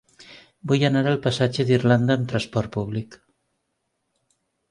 Vull anar al passatge d'Irlanda amb trasport públic.